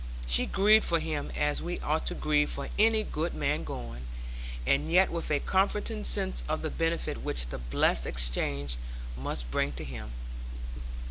She grieved for him as we ought to grieve for any good man going; and yet with a comforting sense of the benefit which the blessed exchange must bring to him.